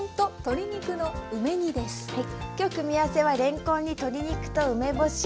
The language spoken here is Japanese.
今日組み合わせはれんこんに鶏肉と梅干し。